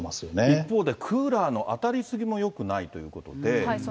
一方で、クーラーの当たり過ぎもよくないということで。